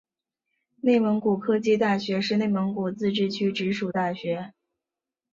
内蒙古科技大学是内蒙古自治区直属大学。